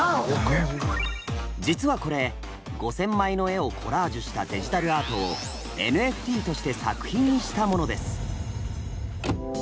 実はこれ５，０００枚の絵をコラージュしたデジタルアートを「ＮＦＴ」として作品にしたものです。